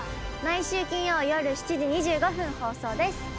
毎週金曜夜７時２５分放送です。